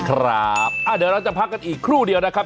ครับเดี๋ยวเราจะพักกันอีกครู่เดียวนะครับ